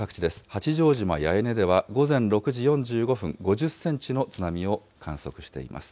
八丈島八重根では午前６時４５分、５０センチの津波を観測しています。